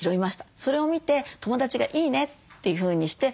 それを見て友達が「いいね」というふうにしてまたやる。